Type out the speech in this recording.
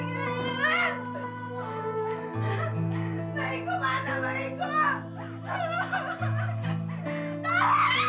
gunain weiter menghai sanhati abang